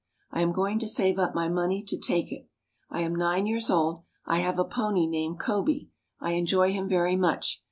I am going to save up my money to take it. I am nine years old. I have a pony named Coby. I enjoy him very much.